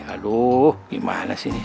aduh gimana sih ini